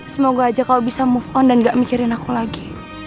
semoga aja kalau bisa move on dan gak mikirin aku lagi